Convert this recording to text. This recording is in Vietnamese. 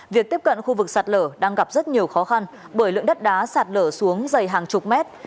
việc tiếp cận khu vực sạt lở đang gặp rất nhiều khó khăn bởi lượng đất đá sạt lở xuống dày hàng chục mét